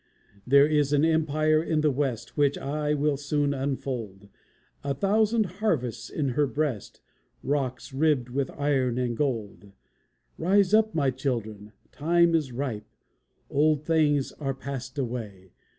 There is an empire in the West, Which I will soon unfold; A thousand harvests in her breast, Rocks ribbed with iron and gold. Rise up, my children, time is ripe! Old things are passed away.